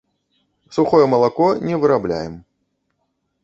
Сухое малако не вырабляем.